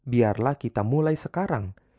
biarlah kita mulai sekarang